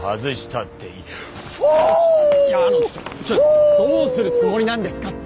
いやあのちょっとどうするつもりなんですかって！？